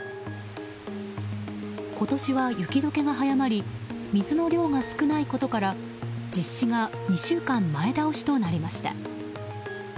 今年は雪解けが早まり水の量が少ないことから実施が２週間前倒しとなりました。